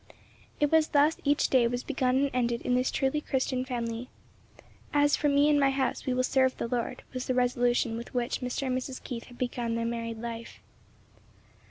It was thus each day was begun and ended in this truly Christian family. "As for me and my house we will serve the Lord," was the resolution with which Mr. and Mrs. Keith had begun their married life.